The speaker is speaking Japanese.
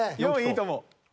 ４位いいと思う。